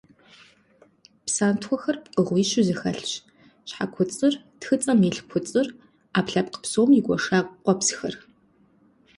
Псантхуэхэр пкъыгъуищу зэхэлъщ: щхьэкуцӏыр, тхыцӏэм илъ куцӏыр, ӏэпкълъэпкъ псом игуэша къуэпсхэр.